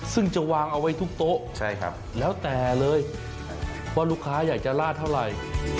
ซึ่งจะวางเอาไว้ทุกโต๊ะแล้วแต่เลยว่าลูกค้าอยากจะลาดเท่าไหร่